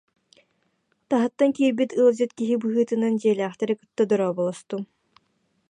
таһыттан киирбит ыалдьыт киһи быһыытынан дьиэлээхтэри кытта дорооболостум